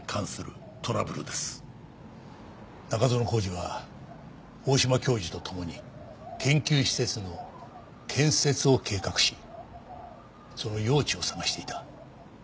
中園宏司は大島教授と共に研究施設の建設を計画しその用地を探していた。